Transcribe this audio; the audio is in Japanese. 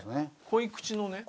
濃い口のね